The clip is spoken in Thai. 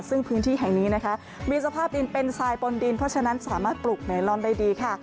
ซึ่งพื้นที่แห่งนี้นะคะมีสภาพดินเป็นทรายปนดินเพราะฉะนั้นสามารถปลูกเมลอนได้ดีค่ะ